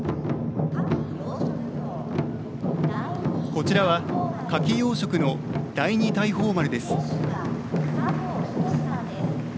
こちらはカキ養殖の「第二大鵬丸」です。